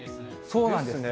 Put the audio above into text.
そうなんです。